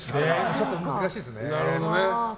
ちょっと難しいですね。